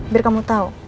biar kamu tau